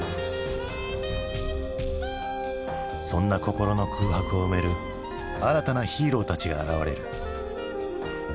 そんな心の空白を埋める新たなヒーローたちが現れる。